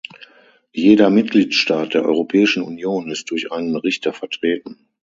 Jeder Mitgliedsstaat der Europäischen Union ist durch einen Richter vertreten.